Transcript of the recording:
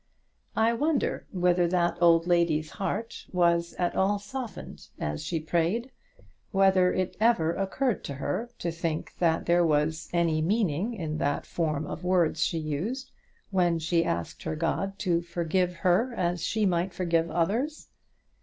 I wonder whether that old lady's heart was at all softened as she prayed? whether it ever occurred to her to think that there was any meaning in that form of words she used, when she asked her God to forgive her as she might forgive others?